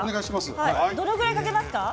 どのぐらいかけますか？